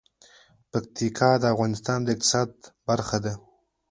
پکتیکا د افغانستان د اقتصاد برخه ده.